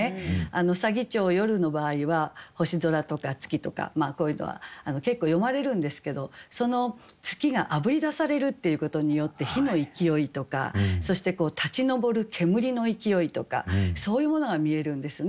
左義長夜の場合は星空とか月とかこういうのは結構詠まれるんですけどその月があぶり出されるっていうことによって火の勢いとかそして立ち上る煙の勢いとかそういうものが見えるんですね。